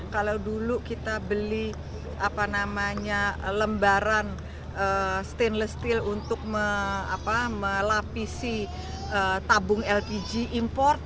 kalau dulu kita beli lembaran stainless steel untuk melapisi tabung lpg import